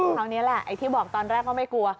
คราวนี้แหละไอ้ที่บอกตอนแรกก็ไม่กลัว